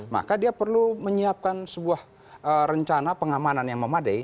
maka dia perlu menyiapkan sebuah rencana pengamanan yang memadai